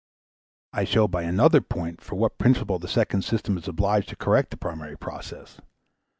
I show by another point for what purpose the second system is obliged to correct the primary process.